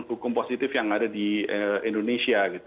hukum positif yang ada di indonesia gitu